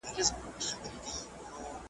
آیا سیوری تر لمر سوړ دی؟